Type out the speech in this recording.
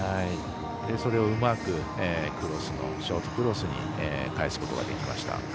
それをうまくショートクロスに返すことができました。